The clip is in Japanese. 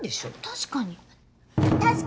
確かに！